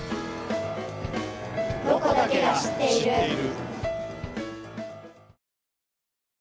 「ロコだけが知っている」。